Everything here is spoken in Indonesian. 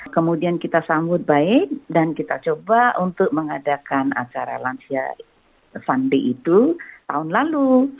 kemudian kita sambut baik dan kita coba untuk mengadakan acara lansia sandi itu tahun lalu